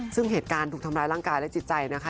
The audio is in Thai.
ซึ่งเหตุการณ์ถูกทำร้ายร่างกายและจิตใจนะคะ